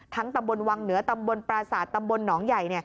ตำบลวังเหนือตำบลปราศาสตร์ตำบลหนองใหญ่